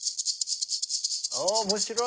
お面白い！